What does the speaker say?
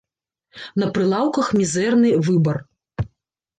На прылаўках мізэрны выбар.